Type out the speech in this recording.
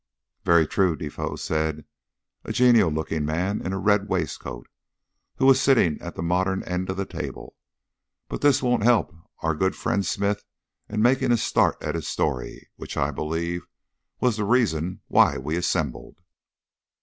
"Very true, Defoe," said a genial looking man in a red waistcoat, who was sitting at the modern end of the table. "But all this won't help our good friend Smith in making a start at his story, which, I believe, was the reason why we assembled."